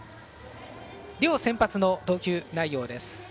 両先発の投球内容です。